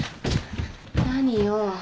何よ？